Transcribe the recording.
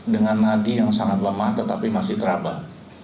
dengan nadi yang sangat lemah tetapi masih terabah